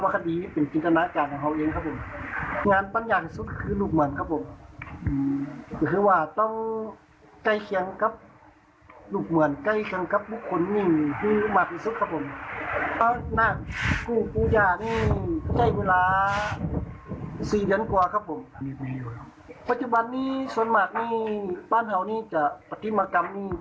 เขาสื่อข่าวว่าเขาก็คนหลักหลัก